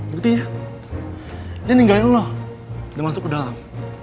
berikutnya dia ninggalin lo dan masuk ke dalam